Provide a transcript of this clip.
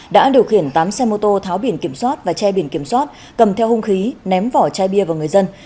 đã điều khiển tám xe mô tô tháo biển kiểm soát và che biển kiểm soát cầm theo hung khí ném vỏ chai bia vào người dân